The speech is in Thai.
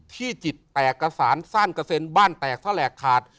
ที่จิตแตกกระสานสั้นกระเซนบ้านแตกซาเหลากคราด